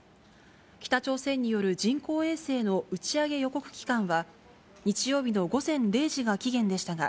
北朝鮮による、人工衛星の打ち上げ予告期間は、日曜日の午前０時が期限でしたが、